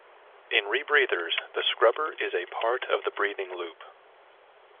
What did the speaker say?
In rebreathers the scrubber is a part of the breathing loop.